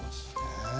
へえ。